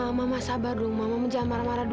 ma mama sabar dong mama menjahat marah marah dulu